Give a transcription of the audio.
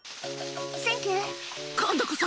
「サンキュー今度こそ」